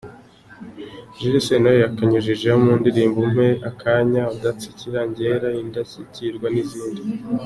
Jules Sentore na we yakanyujijeho mu ndirimbo ‘Umpe Akanya’, ‘Udatsikira’, ‘Ngera’, ‘Indashyikirwa’ n’izindi.